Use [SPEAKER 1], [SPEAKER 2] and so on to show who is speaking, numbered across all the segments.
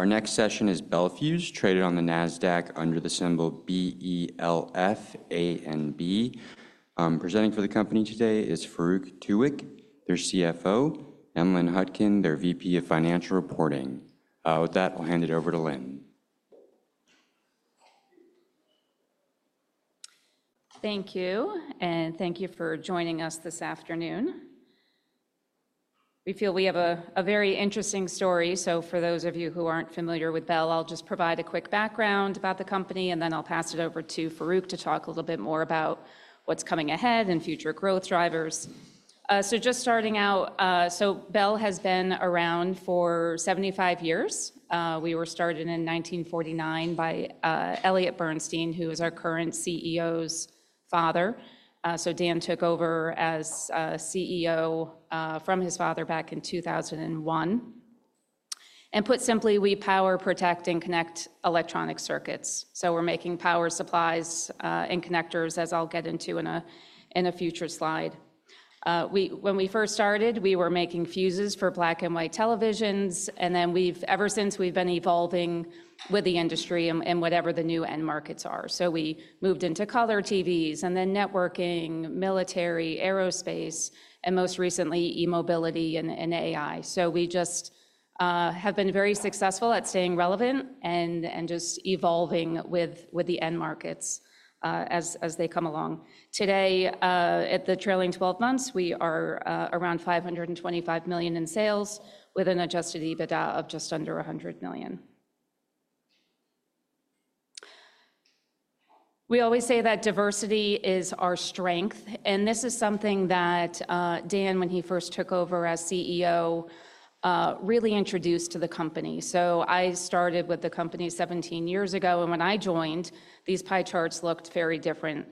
[SPEAKER 1] Our next session is Bel Fuse, traded on the NASDAQ under the symbol BELFA and BELFB. Presenting for the company today is Farouq Tuweiq, their CFO, and Lynn Hutkin, their VP of Financial Reporting. With that, I'll hand it over to Lynn.
[SPEAKER 2] Thank you, and thank you for joining us this afternoon. We feel we have a very interesting story. For those of you who aren't familiar with Bel, I'll just provide a quick background about the company, and then I'll pass it over to Farouq to talk a little bit more about what's coming ahead and future growth drivers. Just starting out, Bel has been around for 75 years. We were started in 1949 by Elliot Bernstein, who is our current CEO's father. Dan took over as CEO from his father back in 2001. Put simply, we power, protect, and connect electronic circuits. We're making power supplies and connectors, as I'll get into in a future slide. When we first started, we were making fuses for black and white televisions. And then ever since, we've been evolving with the industry and whatever the new end markets are. So we moved into color TVs and then networking, military, aerospace, and most recently, e-mobility and AI. So we just have been very successful at staying relevant and just evolving with the end markets as they come along. Today, at the trailing 12 months, we are around $525 million in sales, with an Adjusted EBITDA of just under $100 million. We always say that diversity is our strength. And this is something that Dan, when he first took over as CEO, really introduced to the company. So I started with the company 17 years ago. And when I joined, these pie charts looked very different.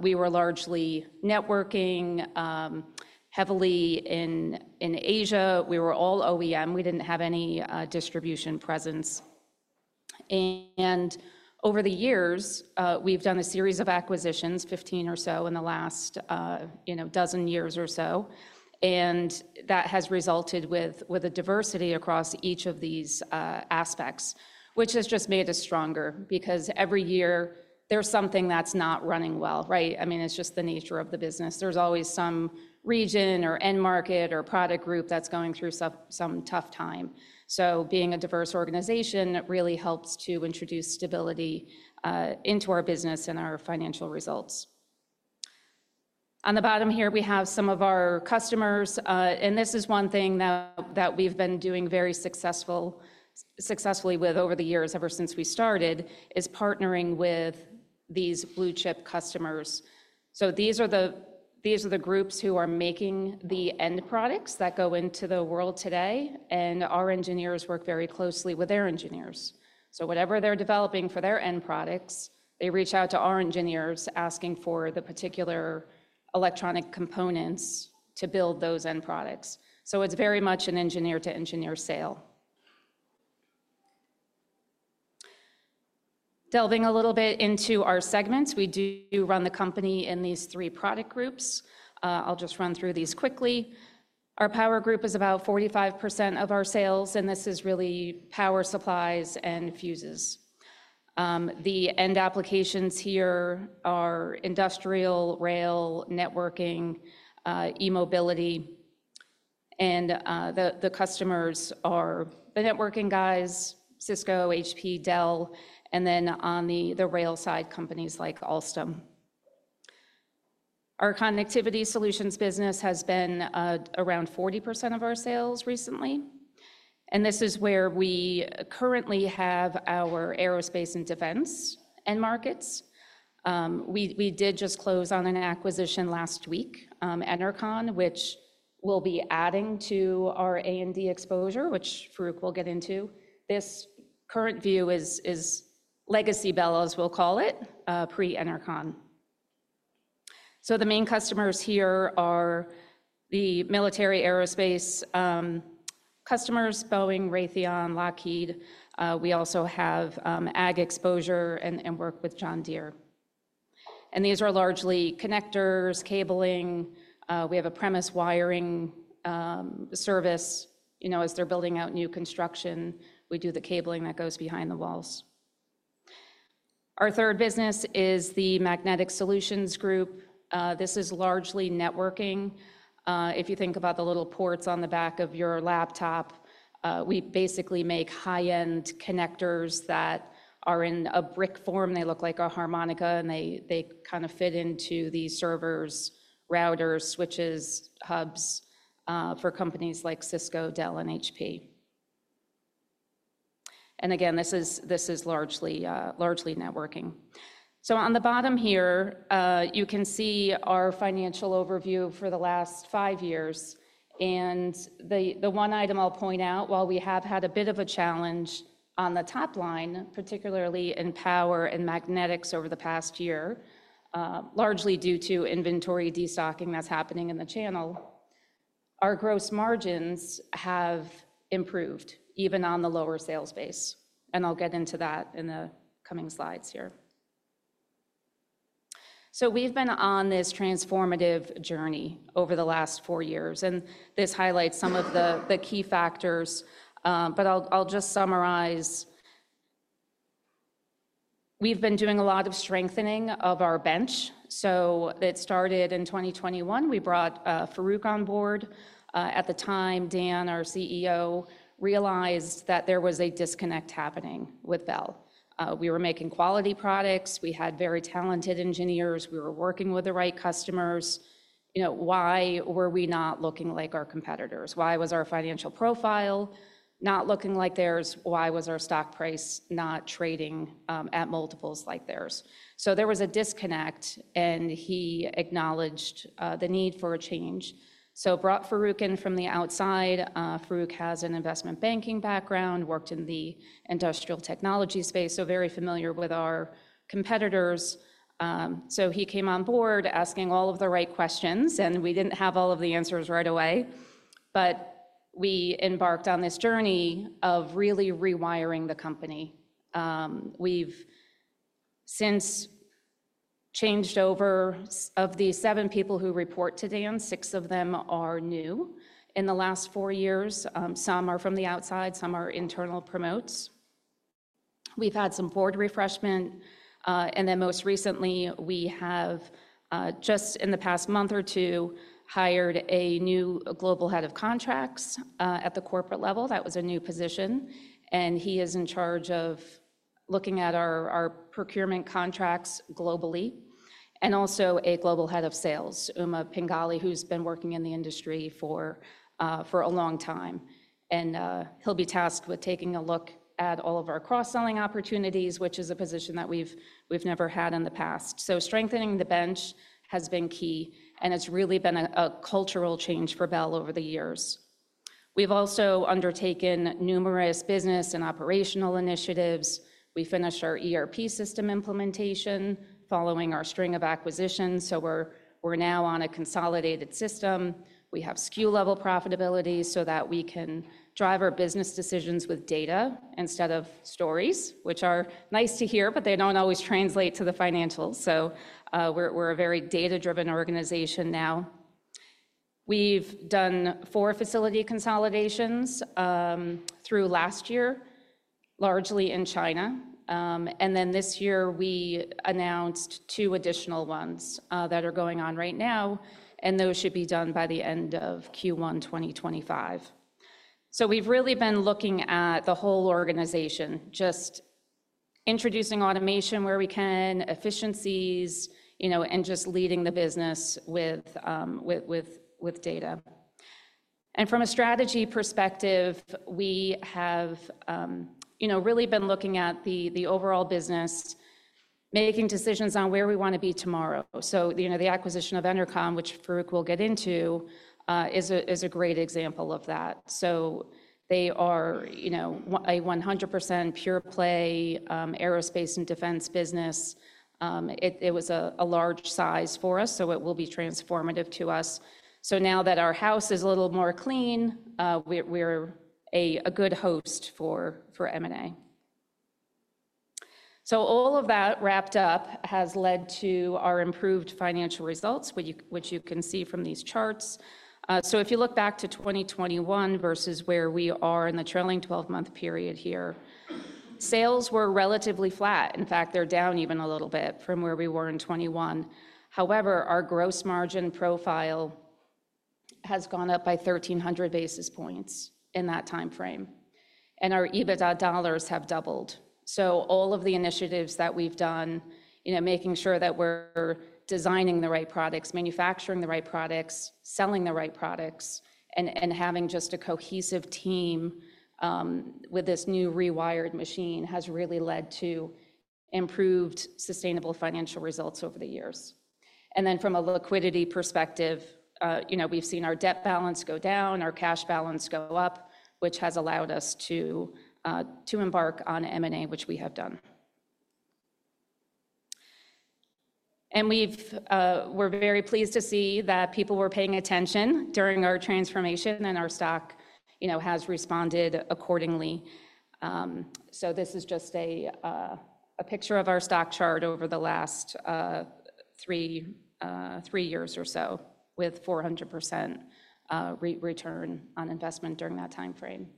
[SPEAKER 2] We were largely networking, heavily in Asia. We were all OEM. We didn't have any distribution presence. And over the years, we've done a series of acquisitions, 15 or so in the last dozen years or so. And that has resulted with a diversity across each of these aspects, which has just made us stronger because every year, there's something that's not running well, right? I mean, it's just the nature of the business. There's always some region or end market or product group that's going through some tough time. So being a diverse organization really helps to introduce stability into our business and our financial results. On the bottom here, we have some of our customers. And this is one thing that we've been doing very successfully with over the years, ever since we started, is partnering with these blue chip customers. So these are the groups who are making the end products that go into the world today. And our engineers work very closely with their engineers. So whatever they're developing for their end products, they reach out to our engineers asking for the particular electronic components to build those end products. So it's very much an engineer-to-engineer sale. Delving a little bit into our segments, we do run the company in these three product groups. I'll just run through these quickly. Our power group is about 45% of our sales. And this is really power supplies and fuses. The end applications here are industrial, rail, networking, e-mobility. And the customers are the networking guys, Cisco, HP, Dell, and then on the rail side, companies like Alstom. Our connectivity solutions business has been around 40% of our sales recently. And this is where we currently have our aerospace and defense end markets. We did just close on an acquisition last week, Enercon, which we'll be adding to our A&D exposure, which Farouq will get into. This current view is legacy Bel's, we'll call it, pre-Enercon. The main customers here are the military aerospace customers, Boeing, Raytheon, Lockheed. We also have Ag exposure and work with John Deere. These are largely connectors, cabling. We have a premise wiring service. As they're building out new construction, we do the cabling that goes behind the walls. Our third business is the magnetic solutions group. This is largely networking. If you think about the little ports on the back of your laptop, we basically make high-end connectors that are in a brick form. They look like a harmonica, and they kind of fit into these servers, routers, switches, hubs for companies like Cisco, Dell, and HP. Again, this is largely networking. So on the bottom here, you can see our financial overview for the last five years. And the one item I'll point out, while we have had a bit of a challenge on the top line, particularly in power and magnetics over the past year, largely due to inventory destocking that's happening in the channel, our gross margins have improved, even on the lower sales base. And I'll get into that in the coming slides here. So we've been on this transformative journey over the last four years. And this highlights some of the key factors. But I'll just summarize. We've been doing a lot of strengthening of our bench. So it started in 2021. We brought Farouq on board. At the time, Dan, our CEO, realized that there was a disconnect happening with Bel. We were making quality products. We had very talented engineers. We were working with the right customers. Why were we not looking like our competitors? Why was our financial profile not looking like theirs? Why was our stock price not trading at multiples like theirs? So there was a disconnect, and he acknowledged the need for a change, so brought Farouq in from the outside. Farouq has an investment banking background, worked in the industrial technology space, so very familiar with our competitors. So he came on board asking all of the right questions, and we didn't have all of the answers right away, but we embarked on this journey of really rewiring the company. We've since changed over of the seven people who report to Dan. Six of them are new in the last four years. Some are from the outside. Some are internal promotes. We've had some board refreshment. And then most recently, we have, just in the past month or two, hired a new global head of contracts at the corporate level. That was a new position. And he is in charge of looking at our procurement contracts globally and also a global head of sales, Uma Pingali, who's been working in the industry for a long time. And he'll be tasked with taking a look at all of our cross-selling opportunities, which is a position that we've never had in the past. So strengthening the bench has been key. And it's really been a cultural change for Bel over the years. We've also undertaken numerous business and operational initiatives. We finished our ERP system implementation following our string of acquisitions. So we're now on a consolidated system. We have SKU-level profitability so that we can drive our business decisions with data instead of stories, which are nice to hear, but they don't always translate to the financials, so we're a very data-driven organization now. We've done four facility consolidations through last year, largely in China, and then this year, we announced two additional ones that are going on right now, and those should be done by the end of Q1 2025, so we've really been looking at the whole organization, just introducing automation where we can, efficiencies, and just leading the business with data, and from a strategy perspective, we have really been looking at the overall business, making decisions on where we want to be tomorrow, so the acquisition of Enercon, which Farouq will get into, is a great example of that, so they are a 100% pure-play aerospace and defense business. It was a large size for us, so it will be transformative to us. Now that our house is a little more clean, we're a good host for M&A. All of that wrapped up has led to our improved financial results, which you can see from these charts. If you look back to 2021 versus where we are in the trailing 12-month period here, sales were relatively flat. In fact, they're down even a little bit from where we were in 2021. However, our gross margin profile has gone up by 1,300 basis points in that time frame, and our EBITDA dollars have doubled. All of the initiatives that we've done, making sure that we're designing the right products, manufacturing the right products, selling the right products, and having just a cohesive team with this new rewired machine has really led to improved sustainable financial results over the years. And then from a liquidity perspective, we've seen our debt balance go down, our cash balance go up, which has allowed us to embark on M&A, which we have done. And we're very pleased to see that people were paying attention during our transformation, and our stock has responded accordingly. This is just a picture of our stock chart over the last three years or so with 400% return on investment during that time frame.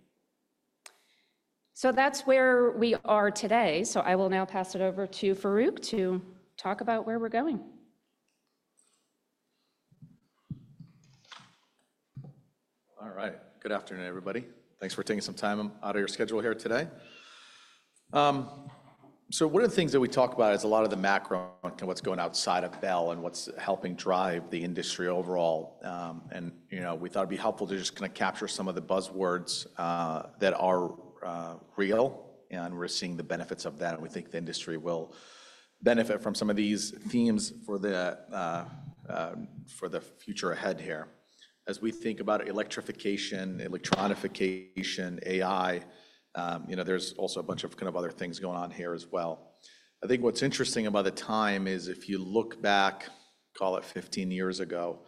[SPEAKER 2] That's where we are today. I will now pass it over to Farouq to talk about where we're going.
[SPEAKER 3] All right. Good afternoon, everybody. Thanks for taking some time out of your schedule here today, so one of the things that we talk about is a lot of the macro and what's going outside of Bel and what's helping drive the industry overall, and we thought it'd be helpful to just kind of capture some of the buzzwords that are real, and we're seeing the benefits of that, and we think the industry will benefit from some of these themes for the future ahead here. As we think about electrification, electronification, AI, there's also a bunch of kind of other things going on here as well. I think what's interesting about the time is if you look back, call it 15 years ago,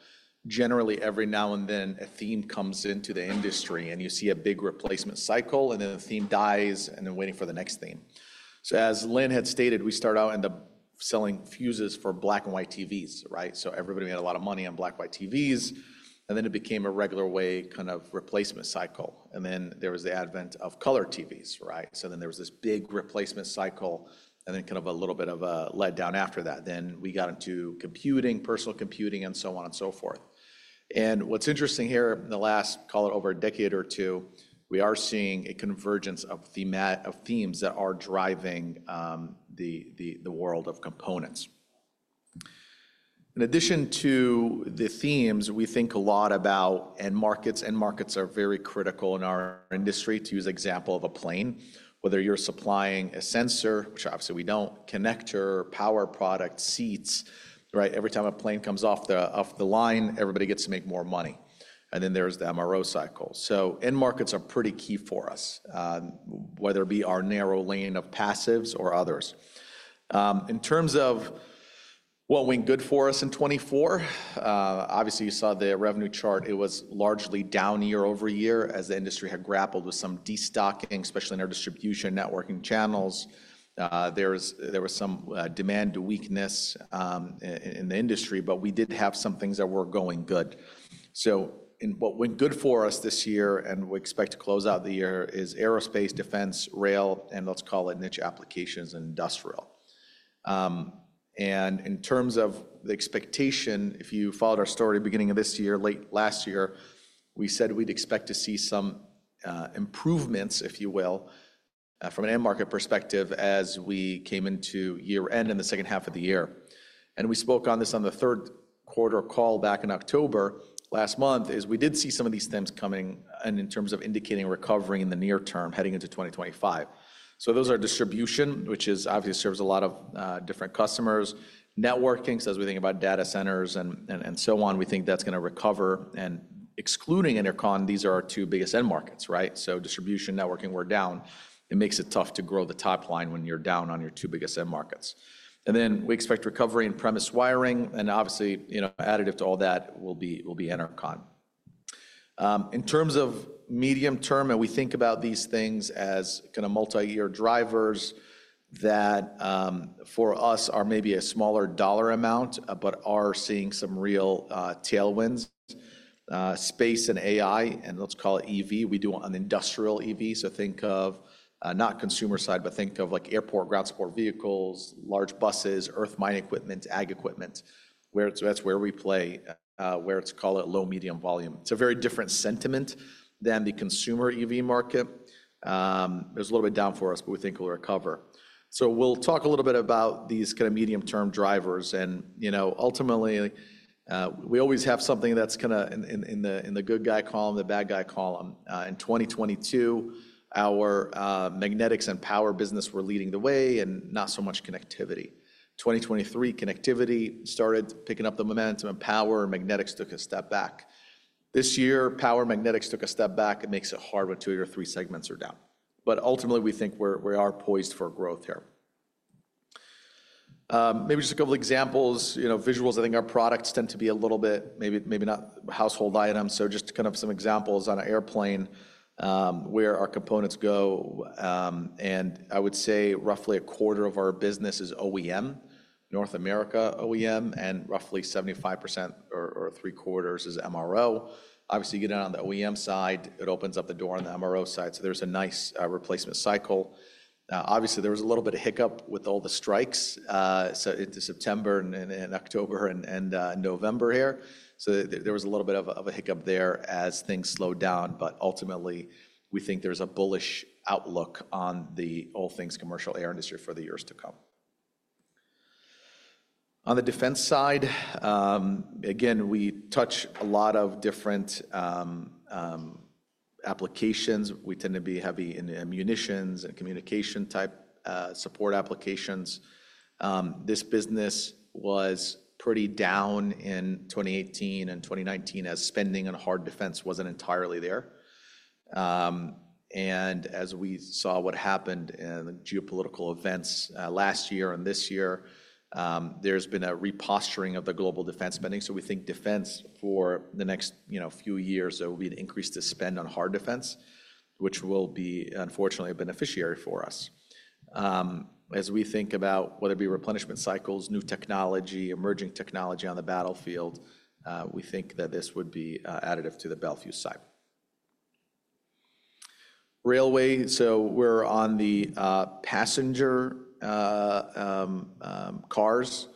[SPEAKER 3] generally, every now and then, a theme comes into the industry, and you see a big replacement cycle, and then the theme dies, and then waiting for the next theme. So as Lynn had stated, we started out in the selling fuses for black and white TVs, right? So everybody made a lot of money on black and white TVs. And then it became a regular way kind of replacement cycle. And then there was the advent of color TVs, right? So then there was this big replacement cycle and then kind of a little bit of a letdown after that. Then we got into computing, personal computing, and so on and so forth. What's interesting here, in the last, call it over a decade or two, we are seeing a convergence of themes that are driving the world of components. In addition to the themes, we think a lot about end markets. End markets are very critical in our industry to use the example of a plane. Whether you're supplying a sensor, which obviously we don't, connector, power product, seats, right? Every time a plane comes off the line, everybody gets to make more money. And then there's the MRO cycle. So end markets are pretty key for us, whether it be our narrow lane of passives or others. In terms of what went good for us in 2024, obviously, you saw the revenue chart. It was largely down year over year as the industry had grappled with some destocking, especially in our distribution networking channels. There was some demand weakness in the industry, but we did have some things that were going good, so what went good for us this year and we expect to close out the year is aerospace, defense, rail, and let's call it niche applications and industrial, and in terms of the expectation, if you followed our story at the beginning of this year, late last year, we said we'd expect to see some improvements, if you will, from an end market perspective as we came into year-end and the second half of the year, and we spoke on this on the third quarter call back in October last month is we did see some of these things coming in terms of indicating recovery in the near term heading into 2025, so those are distribution, which obviously serves a lot of different customers, networking. So as we think about data centers and so on, we think that's going to recover. And excluding Enercon, these are our two biggest end markets, right? So distribution, networking were down. It makes it tough to grow the top line when you're down on your two biggest end markets. And then we expect recovery in premise wiring. And obviously, additive to all that will be Enercon. In terms of medium term, and we think about these things as kind of multi-year drivers that for us are maybe a smaller dollar amount, but are seeing some real tailwinds. Space and AI, and let's call it EV. We do an industrial EV. So think of not consumer side, but think of airport, ground support vehicles, large buses, earth mine equipment, ag equipment. So that's where we play, where it's called a low-medium volume. It's a very different sentiment than the consumer EV market. There's a little bit down for us, but we think we'll recover. So we'll talk a little bit about these kind of medium-term drivers. And ultimately, we always have something that's kind of in the good guy column, the bad guy column. In 2022, our magnetics and power business were leading the way and not so much connectivity. 2023, connectivity started picking up the momentum and power and magnetics took a step back. This year, power and magnetics took a step back. It makes it hard when two or three segments are down. But ultimately, we think we are poised for growth here. Maybe just a couple of examples, visuals. I think our products tend to be a little bit, maybe not household items. So just kind of some examples on an airplane where our components go. And I would say roughly a quarter of our business is OEM, North America OEM, and roughly 75% or three quarters is MRO. Obviously, you get down on the OEM side, it opens up the door on the MRO side. So there's a nice replacement cycle. Obviously, there was a little bit of hiccup with all the strikes into September and October and November here. So there was a little bit of a hiccup there as things slowed down. But ultimately, we think there's a bullish outlook on the all things commercial air industry for the years to come. On the defense side, again, we touch a lot of different applications. We tend to be heavy in munitions and communication-type support applications. This business was pretty down in 2018 and 2019 as spending on hard defense wasn't entirely there. As we saw what happened in geopolitical events last year and this year, there's been a reposturing of the global defense spending. We think defense for the next few years will be an increase to spend on hard defense, which will be unfortunately a beneficiary for us. As we think about whether it be replenishment cycles, new technology, emerging technology on the battlefield, we think that this would be additive to the Bel Fuse side. Railway, so we're on the passenger cars.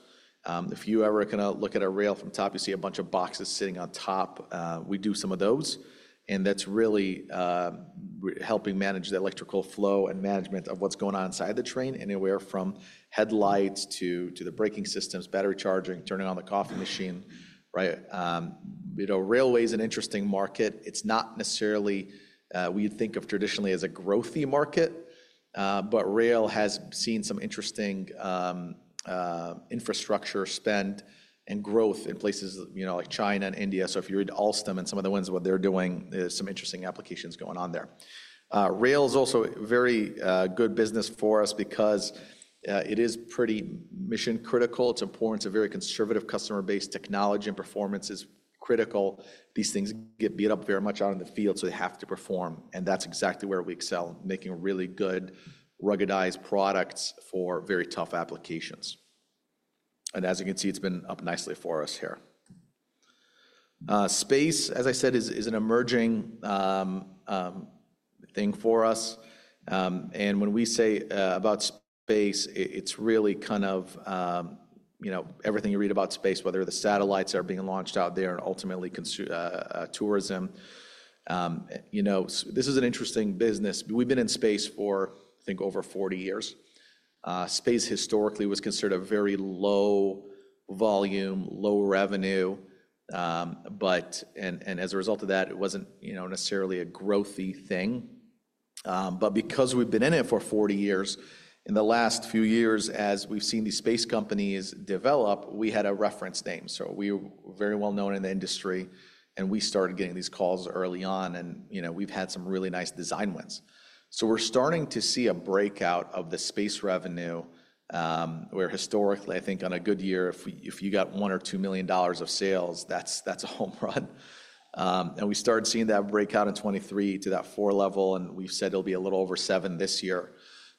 [SPEAKER 3] If you ever kind of look at a rail from the top, you see a bunch of boxes sitting on top. We do some of those. That's really helping manage the electrical flow and management of what's going on inside the train, anywhere from headlights to the braking systems, battery charging, turning on the coffee machine, right? Railway is an interesting market. It's not necessarily what you'd think of traditionally as a growthy market, but rail has seen some interesting infrastructure spend and growth in places like China and India, so if you read Alstom and some of the ones what they're doing, there's some interesting applications going on there. Rail is also a very good business for us because it is pretty mission-critical. It's important. It's a very conservative customer-based technology, and performance is critical. These things get beat up very much out in the field, so they have to perform, and that's exactly where we excel, making really good ruggedized products for very tough applications, and as you can see, it's been up nicely for us here. Space, as I said, is an emerging thing for us. When we say about space, it's really kind of everything you read about space, whether the satellites are being launched out there and ultimately tourism. This is an interesting business. We've been in space for, I think, over 40 years. Space historically was considered a very low volume, low revenue. And as a result of that, it wasn't necessarily a growthy thing. But because we've been in it for 40 years, in the last few years, as we've seen these space companies develop, we had a reference name. So we were very well known in the industry, and we started getting these calls early on, and we've had some really nice design wins. So we're starting to see a breakout of the space revenue where historically, I think on a good year, if you got $1 million or $2 million of sales, that's a home run. We started seeing that breakout in 2023 to that four level, and we've said it'll be a little over seven this year.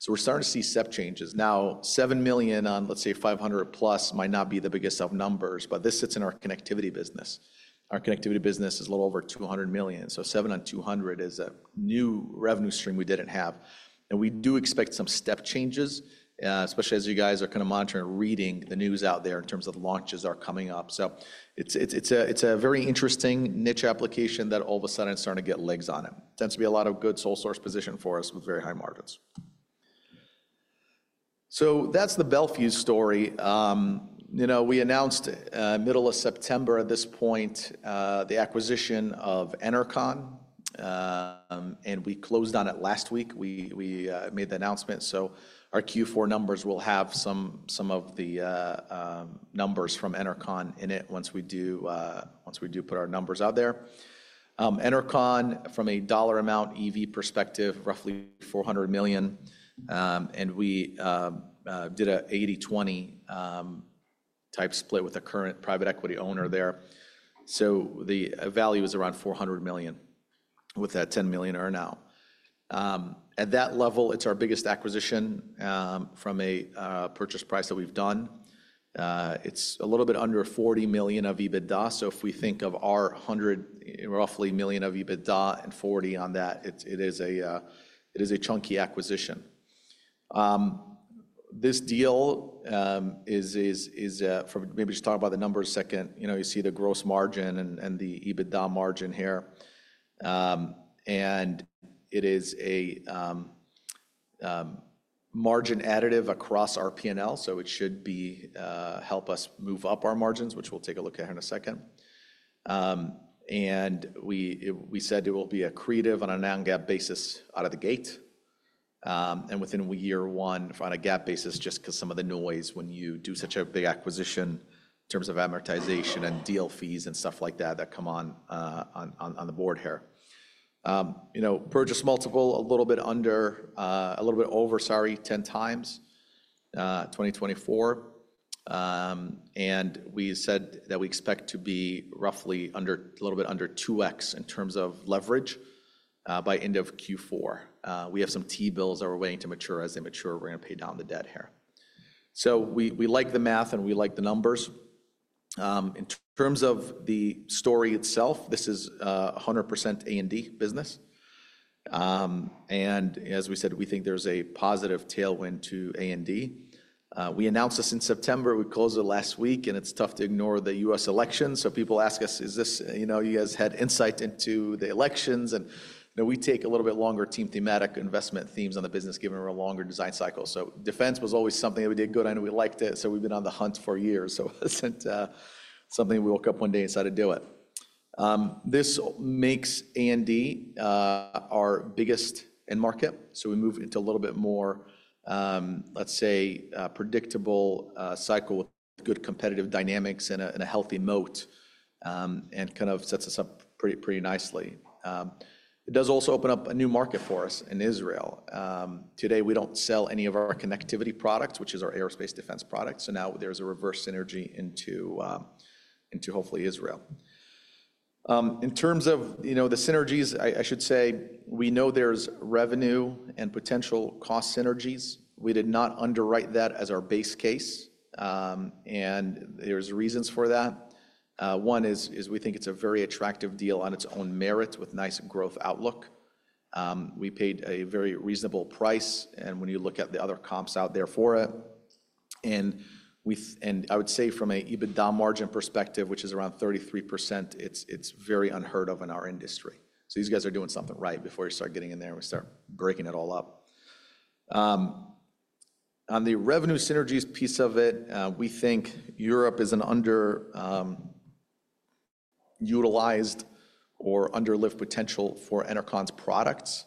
[SPEAKER 3] We're starting to see step changes. Now, $7 million on, let's say, $500,000-plus might not be the biggest of numbers, but this sits in our connectivity business. Our connectivity business is a little over $200 million. $7 million on $200 million is a new revenue stream we didn't have. We do expect some step changes, especially as you guys are kind of monitoring and reading the news out there in terms of launches that are coming up. It's a very interesting niche application that all of a sudden is starting to get legs on it. It tends to be a lot of good sole source position for us with very high margins. That's the Bel Fuse story. We announced middle of September at this point the acquisition of Enercon, and we closed on it last week. We made the announcement so our Q4 numbers will have some of the numbers from Enercon in it once we do put our numbers out there. Enercon, from a dollar amount EV perspective, roughly $400 million, and we did an 80/20 type split with a current private equity owner there so the value is around $400 million with a $10 million earn-out. At that level, it's our biggest acquisition from a purchase price that we've done. It's a little bit under $40 million of EBITDA. So if we think of our 100 roughly million of EBITDA and 40 on that, it is a chunky acquisition. This deal is from maybe just talk about the numbers a second. You see the gross margin and the EBITDA margin here. It is a margin additive across our P&L. So it should help us move up our margins, which we'll take a look at here in a second. We said it will be accretive on a non-GAAP basis out of the gate. Within year one, on a GAAP basis, just because some of the noise when you do such a big acquisition in terms of amortization and deal fees and stuff like that that come on the board here. Purchase multiple a little bit under, a little bit over, sorry, 10 times 2024. We said that we expect to be roughly a little bit under 2x in terms of leverage by end of Q4. We have some T-bills that we're waiting to mature. As they mature, we're going to pay down the debt here. So we like the math and we like the numbers. In terms of the story itself, this is a 100% A&D business, and as we said, we think there's a positive tailwind to A&D. We announced this in September. We closed it last week, and it's tough to ignore the U.S. election, so people ask us, you guys had insight into the elections, and we take a little bit longer-term thematic investment themes on the business given we're a longer design cycle. So defense was always something that we did good on, and we liked it, so we've been on the hunt for years, so it's something we woke up one day and decided to do it. This makes A&D our biggest end market, so we move into a little bit more, let's say, predictable cycle with good competitive dynamics and a healthy moat and kind of sets us up pretty nicely. It does also open up a new market for us in Israel. Today, we don't sell any of our connectivity products, which is our aerospace defense products. So now there's a reverse synergy into hopefully Israel. In terms of the synergies, I should say we know there's revenue and potential cost synergies. We did not underwrite that as our base case, and there's reasons for that. One is we think it's a very attractive deal on its own merits with nice growth outlook. We paid a very reasonable price, and when you look at the other comps out there for it, and I would say from an EBITDA margin perspective, which is around 33%, it's very unheard of in our industry. So these guys are doing something right before you start getting in there and we start breaking it all up. On the revenue synergies piece of it, we think Europe is an underutilized or underleveraged potential for Enercon's products.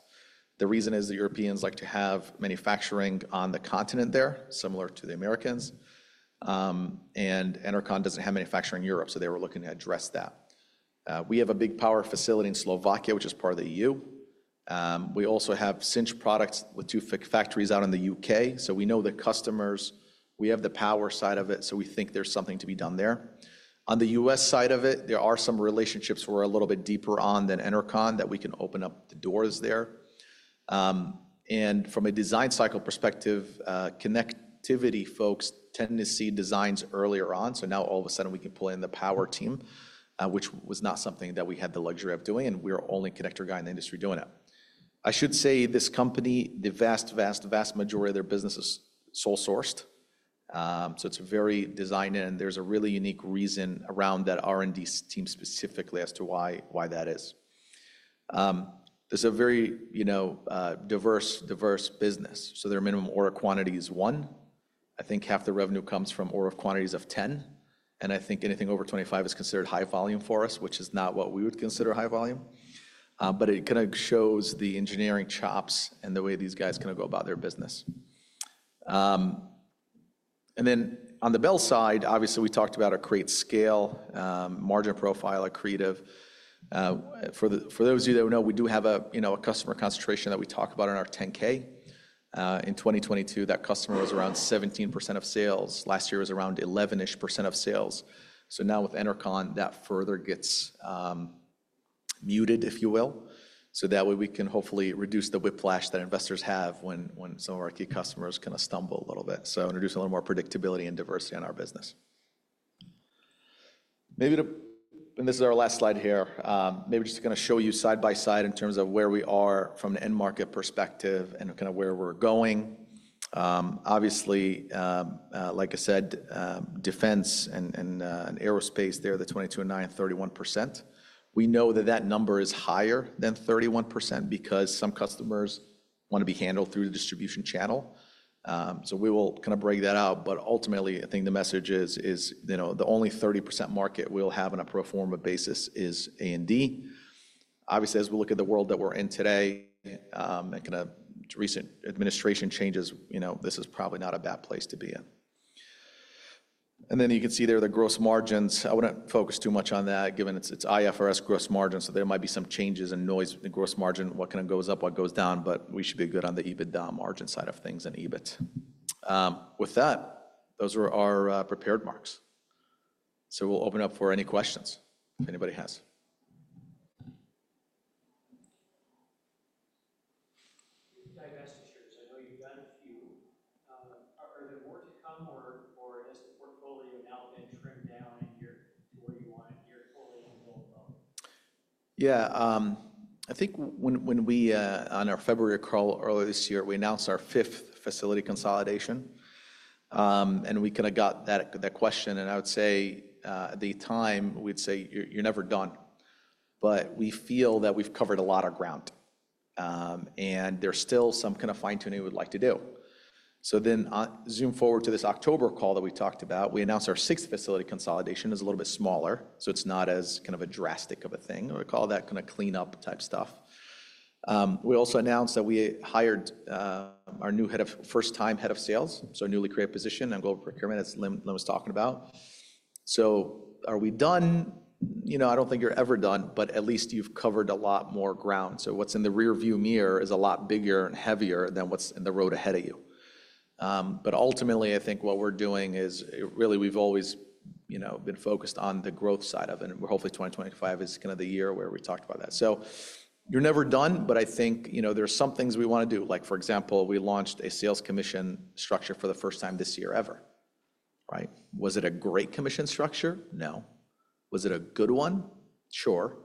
[SPEAKER 3] The reason is the Europeans like to have manufacturing on the continent there, similar to the Americans, and Enercon doesn't have manufacturing in Europe, so they were looking to address that. We have a big power facility in Slovakia, which is part of the EU. We also have Cinch products with two factories out in the U.K., so we know the customers. We have the power side of it, so we think there's something to be done there. On the U.S. side of it, there are some relationships we're a little bit deeper on than Enercon that we can open up the doors there, and from a design cycle perspective, connectivity folks tend to see designs earlier on. So now all of a sudden, we can pull in the power team, which was not something that we had the luxury of doing. And we're the only connector guy in the industry doing it. I should say this company, the vast, vast, vast majority of their business is sole sourced. So it's very designed. And there's a really unique reason around that R&D team specifically as to why that is. It's a very diverse, diverse business. So their minimum order quantity is one. I think half the revenue comes from order quantities of 10. And I think anything over 25 is considered high volume for us, which is not what we would consider high volume. But it kind of shows the engineering chops and the way these guys kind of go about their business. And then on the Bel side, obviously, we talked about a great scale, margin profile, accretive. For those of you that know, we do have a customer concentration that we talked about in our 10K. In 2022, that customer was around 17% of sales. Last year was around 11-ish% of sales. So now with Enercon, that further gets muted, if you will. So that way, we can hopefully reduce the whiplash that investors have when some of our key customers kind of stumble a little bit. So introduce a little more predictability and diversity on our business. Maybe this is our last slide here. Maybe just to kind of show you side by side in terms of where we are from an end market perspective and kind of where we're going. Obviously, like I said, defense and aerospace there, the 22% and 9%, 31%. We know that that number is higher than 31% because some customers want to be handled through the distribution channel. So we will kind of break that out. But ultimately, I think the message is the only 30% market we'll have on a pro forma basis is A&D. Obviously, as we look at the world that we're in today and kind of recent administration changes, this is probably not a bad place to be in. And then you can see there the gross margins. I wouldn't focus too much on that given it's IFRS gross margins. So there might be some changes, some noise in the gross margin, what kind of goes up, what goes down. But we should be good on the EBITDA margin side of things and EBIT. With that, those are our prepared remarks. So we'll open up for any questions if anybody has. Divestitures, I know you've got a few. Are there more to come or has the portfolio now been trimmed down and you're where you want to be fully enrolled? Yeah. I think when we were on our February call earlier this year, we announced our fifth facility consolidation, and we kind of got that question, and I would say at the time, we'd say you're never done, but we feel that we've covered a lot of ground, and there's still some kind of fine-tuning we'd like to do, so then zoom forward to this October call that we talked about. We announced our sixth facility consolidation is a little bit smaller, so it's not as kind of a drastic of a thing. We call that kind of cleanup type stuff. We also announced that we hired our new first-time head of sales, so a newly created position and global procurement as Lynn was talking about. Are we done? I don't think you're ever done, but at least you've covered a lot more ground. So what's in the rearview mirror is a lot bigger and heavier than what's in the road ahead of you. But ultimately, I think what we're doing is really we've always been focused on the growth side of it. And hopefully, 2025 is kind of the year where we talked about that. So you're never done, but I think there are some things we want to do. Like, for example, we launched a sales commission structure for the first time this year ever. Right? Was it a great commission structure? No. Was it a good one? Sure.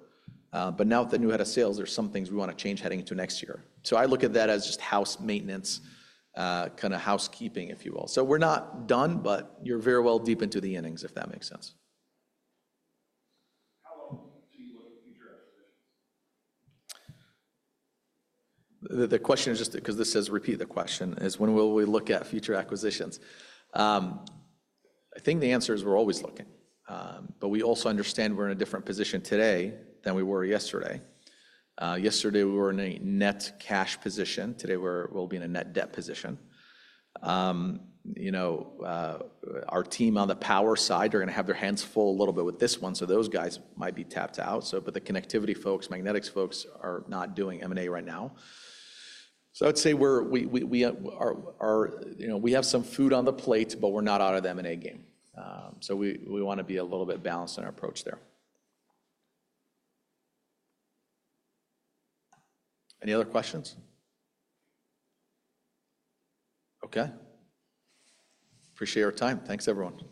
[SPEAKER 3] But now with the new head of sales, there's some things we want to change heading into next year. So I look at that as just house maintenance, kind of housekeeping, if you will. So we're not done, but you're very well deep into the innings, if that makes sense. The question is, just because this says, repeat the question: is when will we look at future acquisitions? I think the answer is we're always looking. But we also understand we're in a different position today than we were yesterday. Yesterday, we were in a net cash position. Today, we'll be in a net debt position. Our team on the power side are going to have their hands full a little bit with this one. So those guys might be tapped out. But the connectivity folks, magnetics folks are not doing M&A right now. So I'd say we have some food on the plate, but we're not out of the M&A game. So we want to be a little bit balanced in our approach there. Any other questions? Okay. Appreciate your time. Thanks, everyone.